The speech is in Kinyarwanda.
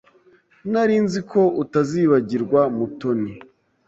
Nari nzi ko utazibagirwa Mutoni.